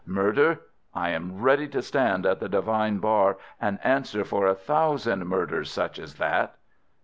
Murder! I am ready to stand at the Divine bar and answer for a thousand murders such as that!